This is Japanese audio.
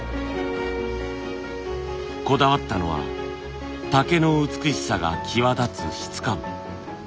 こだわったのは竹の美しさが際立つ質感。